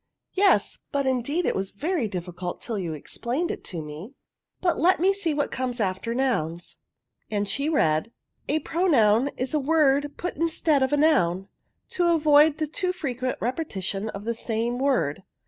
*'" Yes, but, indeed, it was very difficult till you explained it to me ; but let me see what comes after nouns," and she read, "' a pronoun is a word put instead of a noun, to avoid the too frequent repetition of the same word.'